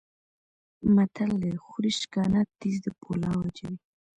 متل دی: خوري شکنه تیز د پولاو اچوي.